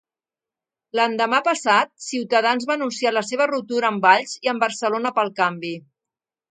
L'endemà passat, Ciutadans va anunciar la seva ruptura amb Valls i amb Barcelona pel Canvi.